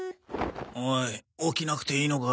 おい起きなくていいのか？